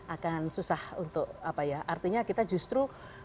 akan susah untuk apa ya artinya kita justru